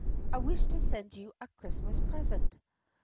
"I wish to send you a Christmas present."